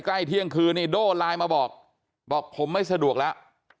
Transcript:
ใกล้เที่ยงคืนนี่โด่ไลน์มาบอกบอกผมไม่สะดวกแล้ว